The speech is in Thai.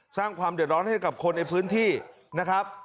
สร้างความเดือดร้อนให้กับคนในพื้นที่นะครับ